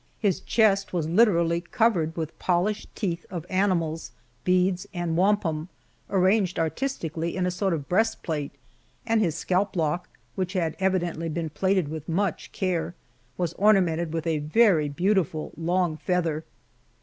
His chest was literally covered with polished teeth of animals, beads, and wampum, arranged artistically in a sort of breastplate, and his scalp lock, which had evidently been plaited with much care, was ornamented with a very beautiful long feather.